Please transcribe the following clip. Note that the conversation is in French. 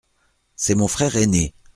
C’est mon frère ainé.